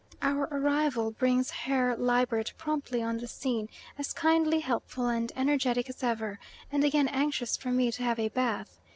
Our arrival brings Herr Liebert promptly on the scene, as kindly helpful and energetic as ever, and again anxious for me to have a bath.